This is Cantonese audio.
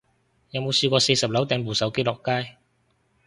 有冇試過四十樓掟部電話落街